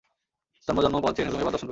জন্ম জন্ম পথ চেয়ে ছিলুম, এইবার দর্শন পেলুম।